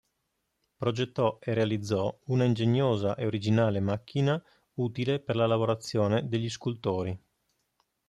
Progettò e realizzò una ingegnosa e originale macchina utile per la lavorazione degli scultori.